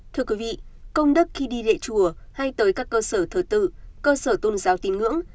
thưa quý vị công đức khi đi lễ chùa hay tới các cơ sở thờ tự cơ sở tôn giáo tín ngưỡng